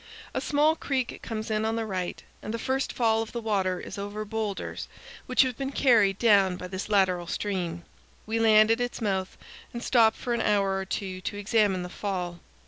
A small creek comes in on the right, and the first fall of the water is over boulders, which have been carried down by this lateral stream. We land at its mouth and stop for an hour or two to examine the fall.